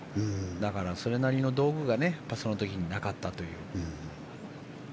だから、それなりの道具がその時になかったという。